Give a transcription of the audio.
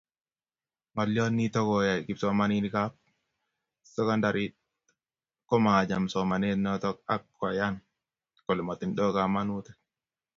Ngoliot nito koyae kipsomaninikab sekondarit komacham somanet noto ak koyan kole matindoi kamanutik